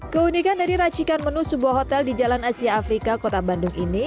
keunikan dari racikan menu sebuah hotel di jalan asia afrika kota bandung ini